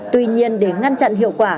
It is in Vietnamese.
tuy nhiên để ngăn chặn hiệu quả